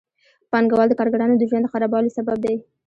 پانګوال د کارګرانو د ژوند د خرابوالي سبب دي